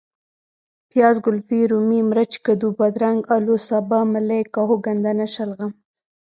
پیاز ،ګلفي ،رومي ،مرچ ،کدو ،بادرنګ ،الو ،سابه ،ملۍ ،کاهو ،ګندنه ،شلغم